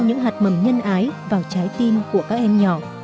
những hạt mầm nhân ái vào trái tim của các em nhỏ